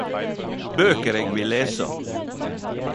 Bøker eg vil lesa.